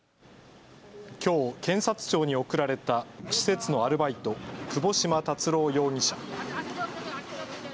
きょう検察庁に送られた施設のアルバイト、窪島達郎容疑者。